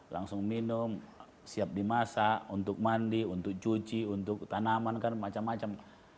langsung minum siap dimasak untuk mandi untuk cuci untuk tanaman kan macam macam